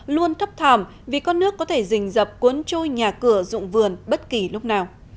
luôn thấp thòm vì con nước có thể rình dập cuốn trôi nhà cửa dụng vườn bất kỳ lúc nào